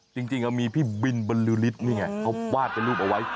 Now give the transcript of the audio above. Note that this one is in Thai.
จริงมีพี่บินบรรลือฤทธิ์นี่ไงเขาวาดเป็นรูปเอาไว้